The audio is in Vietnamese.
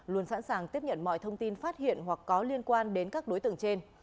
luôn sẵn sàng tiếp nhận mọi thông tin phát hiện hoặc có liên quan đến các đối tượng trên